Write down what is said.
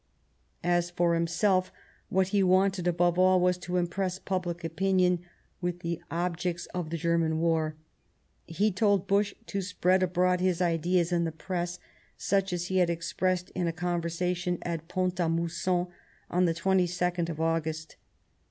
As for himself, what he wanted above all was to impress public opinion with the objects of the German war. He told Busch to spread abroad his ideas in the Press, such as he had expressed in a conversation at Pont a Mousson on the 22nd of August.